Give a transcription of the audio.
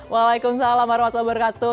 waalaikumsalam warahmatullahi wabarakatuh